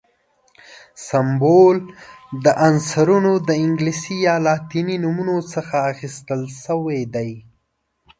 سمبول د عنصرونو د انګلیسي یا لاتیني نومونو څخه اخیستل شوی دی.